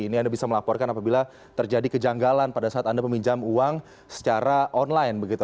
ini anda bisa melaporkan apabila terjadi kejanggalan pada saat anda meminjam uang secara online begitu